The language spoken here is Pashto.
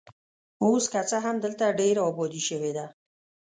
اوس که څه هم دلته ډېره ابادي شوې ده.